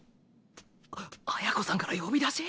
綾子さんから呼び出し？